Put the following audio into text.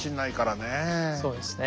そうですね。